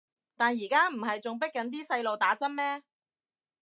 但而家唔係仲迫緊啲細路打針咩